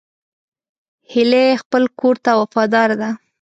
هیلۍ خپل کور ته وفاداره ده